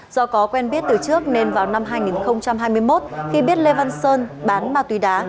do có quen biết từ trước nên vào năm hai nghìn hai mươi một khi biết lê văn sơn bán ma túy đá